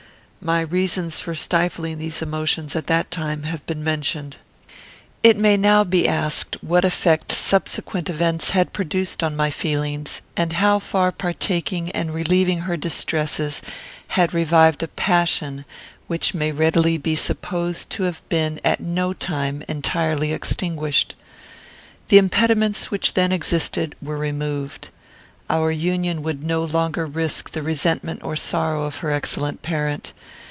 My reasons for stifling these emotions, at that time, have been mentioned. It may now be asked, what effect subsequent events had produced on my feelings, and how far partaking and relieving her distresses had revived a passion which may readily be supposed to have been, at no time, entirely extinguished. The impediments which then existed were removed. Our union would no longer risk the resentment or sorrow of her excellent parent.